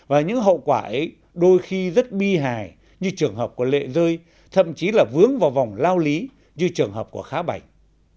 và những hậu quả ấy đôi khi rất bi hài như trường hợp của lệ rơi thậm chí là vướng vào vòng lao lý như trường hợp của khá bảnh